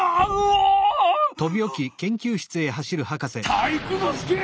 体育ノ介！